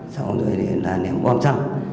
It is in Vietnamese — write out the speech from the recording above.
sau đó là ném bom xăng